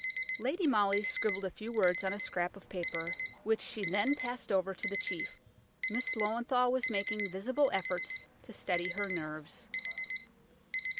Lady Molly scribbled a few words on a scrap of paper, which she then passed over to the chief. Miss Löwenthal was making visible efforts to steady her nerves.